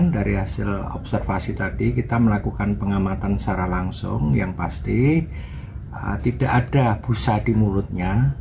dari hasil observasi tadi kita melakukan pengamatan secara langsung yang pasti tidak ada busa di mulutnya